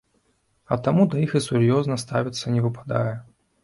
А таму да іх і сур'ёзна ставіцца не выпадае.